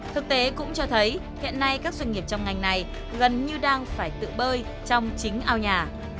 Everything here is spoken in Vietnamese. thực tế cũng cho thấy hiện nay các doanh nghiệp trong ngành này gần như đang phải tự bơi trong chính ao nhà